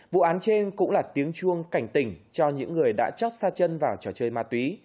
vụ án trên cũng là tiếng chuông cảnh tỉnh cho những người đã chót xa chân vào trò chơi ma túy